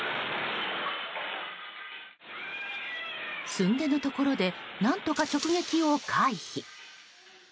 すんでのところで何とか直撃を回避。